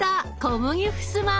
小麦ふすま！